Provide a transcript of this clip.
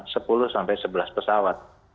sepuluh sampai sebelas pesawat